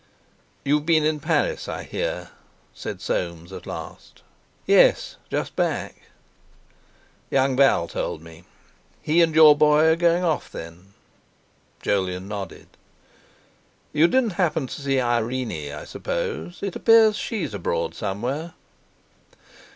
"You've been in Paris, I hear," said Soames at last. "Yes; just back." "Young Val told me; he and your boy are going off, then?" Jolyon nodded. "You didn't happen to see Irene, I suppose. It appears she's abroad somewhere."